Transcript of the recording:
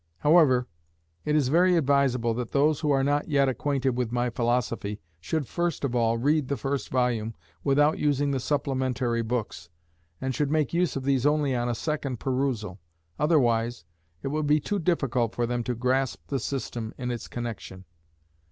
However, it is very advisable that those who are not yet acquainted with my philosophy should first of all read the first volume without using the supplementary books, and should make use of these only on a second perusal; otherwise it would be too difficult for them to grasp the system in its connection.